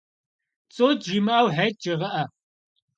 Цӏут жымыӏэу, Хьет жегъыӏэ!